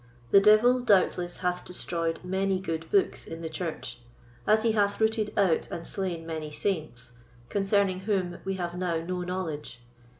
The devil doubtless hath destroyed many good books in the Church, as he hath rooted out and slain many saints, concerning whom we have now no knowledge.